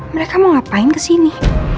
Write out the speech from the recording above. mereka mau ngapain kesini